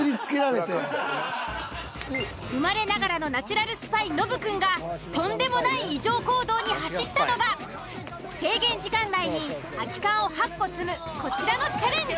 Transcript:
生まれながらのナチュラルスパイノブくんがとんでもない異常行動に走ったのが制限時間内に空き缶を８個積むこちらのチャレンジ。